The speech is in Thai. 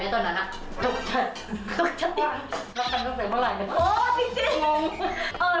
แม่จริงไหมจริงค่ะ